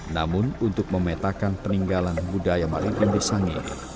namun untuk memetakan peninggalan budaya maling di sangihe